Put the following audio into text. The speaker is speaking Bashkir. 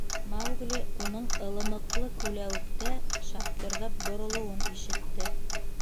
Маугли уның ылымыҡлы күләүектә шаптырҙап боролоуын ишетте.